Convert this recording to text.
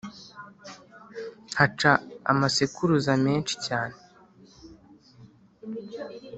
haca amasekuruza menshi cyane